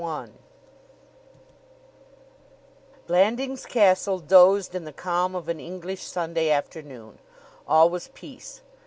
CHAPTER XI Blandings Castle dozed in the calm of an English Sunday afternoon. All was peace.